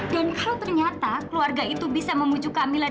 dan kalau ternyata keluarga itu bisa memucu kamilah